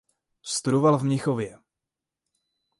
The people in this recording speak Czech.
Studoval v Mnichově.